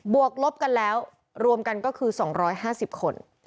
วกลบกันแล้วรวมกันก็คือ๒๕๐คน